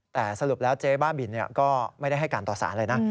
แต่สรุปแล้วเจ๊บ้าบินก็ไม่ได้ให้การต่อสารอะไรนะ